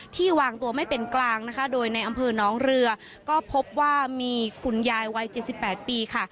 วางตัวไม่เป็นกลางนะคะโดยในอำเภอน้องเรือก็พบว่ามีคุณยายวัย๗๘ปีค่ะ